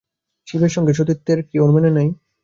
শিবের সঙ্গে সতীর বিয়ের কথা কি ওর মনে নেই?